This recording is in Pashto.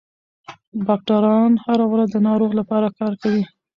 ډاکټران هره ورځ د ناروغ لپاره کار کوي.